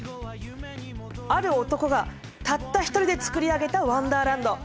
ある男がたった一人で作り上げたワンダーランド。